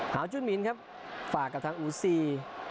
หาวจุ้นหินครับฝากกับทางอูซี